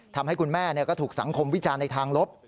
ทำให้คุณแม่ก็ถูกสังคมวิจารณ์ในทางลบ